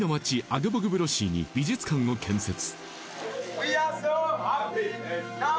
アグボグブロシーに美術館を建設